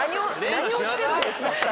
何をしてるんですか２人。